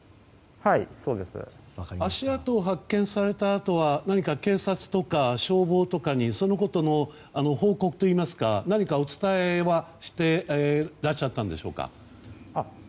足跡を発見されたあとは何か警察とか消防とかにそのことの報告といいますか何かお伝えはしていらっしゃったんでしょうか。